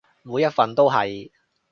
每一份都係